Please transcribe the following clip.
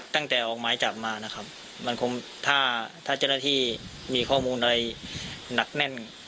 ออกหมายจับมานะครับมันคงถ้าเจ้าหน้าที่มีข้อมูลอะไรหนักแน่น